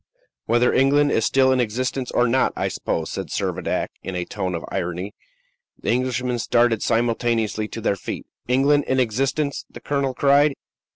"Whether England is still in existence or not, I suppose," said Servadac, in a tone of irony. The Englishmen started simultaneously to their feet. "England in existence?" the colonel cried.